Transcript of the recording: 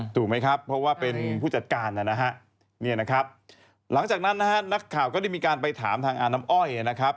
ถูกมั้ยครับเพราะว่าเป็นผู้จัดการนะครับหลังจากนั้นนักข่าวก็ได้มีการไปถามทางอานำอ้อยนะครับ